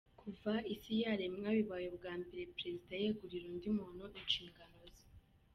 Kuva isi yaremwa bibaye ubwa mbere Perezida yegurira undi muntu inshingano ze.